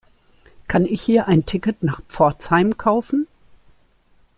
Kann ich hier ein Ticket nach Pforzheim kaufen?